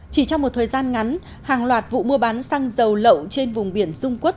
chỉ trong một thời gian ngắn hàng loạt vụ mua bán xăng dầu lậu trên vùng biển dung quốc